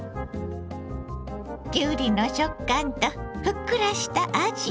きゅうりの食感とふっくらしたあじ。